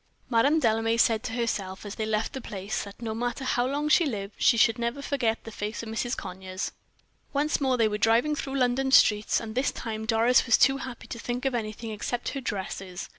Madame Delame said to herself, as they left the place, that no matter how long she lived, she should never forget the face of Mrs. Conyers. Once more they were driving through London streets, and this time Doris was too happy to think of anything except her dresses.